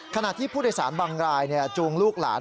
ขณะที่ผู้โดยสารบางรายจูงลูกหลาน